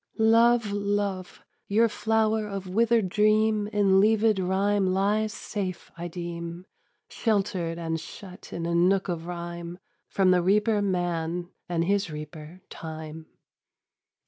Love, love! your flower of withered dream In leavèd rhyme lies safe, I deem, Sheltered and shut in a nook of rhyme, From the reaper man, and his reaper Time.